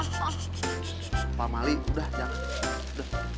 ss ss pak mali udah ya